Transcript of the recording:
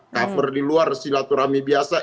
cover di luar silaturahmi biasa